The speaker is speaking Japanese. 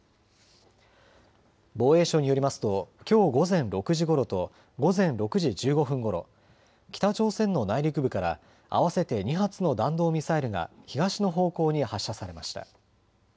防衛省によりますときょう午前６時ごろと午前６時１５分ごろ、北朝鮮の内陸部から合わせて２発の弾道ミサイルが東の方向に発射されました。